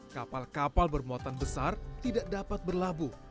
kapal kapal bermuatan besar tidak dapat berlabuh